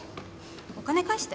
お金返して。